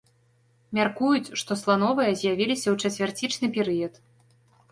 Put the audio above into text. Мяркуюць, што слановыя з'явіліся ў чацвярцічны перыяд.